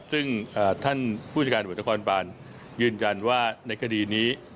ซึ่งท่านผู้จัดการตำรวจนครบานยืนยันว่าในคดีนี้